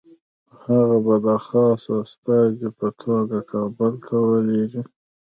هغه به د خاص استازي په توګه کابل ته ولېږي.